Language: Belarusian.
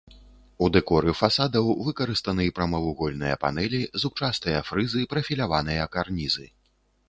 У дэкоры фасадаў выкарыстаны прамавугольныя панэлі, зубчастыя фрызы, прафіляваныя карнізы.